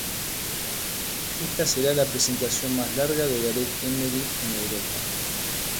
Esta será la presentación más larga de Gareth Emery en Europa.